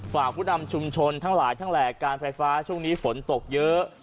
ผู้นำชุมชนทั้งหลายทั้งแหล่การไฟฟ้าช่วงนี้ฝนตกเยอะ